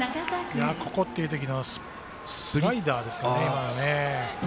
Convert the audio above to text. ここっていう時のスライダーですかね、今のは。